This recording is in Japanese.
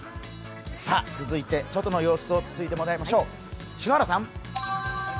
続いて外の様子を伝えてもらいましょう。